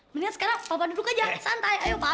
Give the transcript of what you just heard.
mendingan sekarang bapak duduk aja santai ayo pak